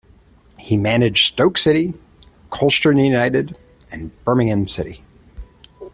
He managed Stoke City, Colchester United and Birmingham City.